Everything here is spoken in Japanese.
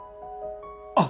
あっ！